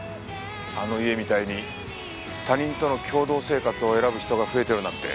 あの家みたいに他人との共同生活を選ぶ人が増えてるなんて。